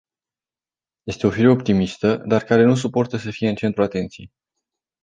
Este o fire optimistă, dar care nu suportă să fie în centrul atenției.